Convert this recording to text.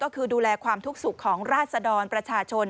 ก็คือดูแลความทุกข์สุขของราศดรประชาชน